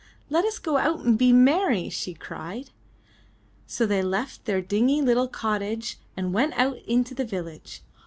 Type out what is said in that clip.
*'Let us go out and be merry! she cried. So they left their dingy little cottage and went out into the village.